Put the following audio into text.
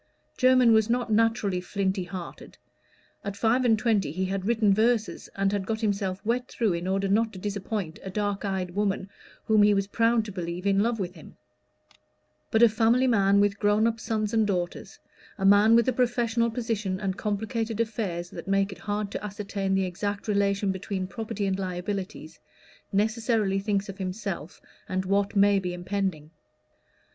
Jermyn was not naturally flinty hearted: at five and twenty he had written verses, and had got himself wet through in order not to disappoint a dark eyed woman whom he was proud to believe in love with him; but a family man with grown up sons and daughters, a man with a professional position and complicated affairs that make it hard to ascertain the exact relation between property and liabilities, necessarily thinks of himself and what may be impending.